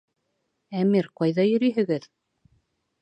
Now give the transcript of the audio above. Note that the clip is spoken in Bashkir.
Әмир, ҡайҙа йөрөйһөгөҙ?